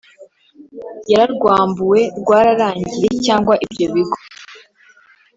yararwambuwe, rwararangiye cyangwa ibyo bigo